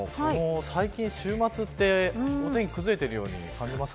最近、週末はお天気崩れているように感じます。